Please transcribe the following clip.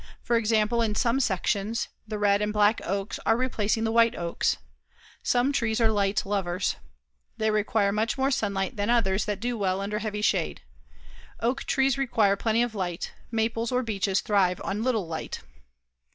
For example, in some sections, the red and black oaks are replacing the white oaks. Some trees are light lovers. They require much more sunlight than others that do well under heavy shade. Oak trees require plenty of light; maples or beeches thrive on little light.